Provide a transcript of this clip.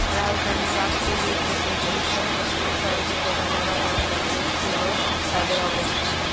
রাজধানীর গাবতলী থেকে গুলিস্তান পর্যন্ত সড়কের প্রধান এলাকাগুলোতে ছিল তাঁদের অবস্থান।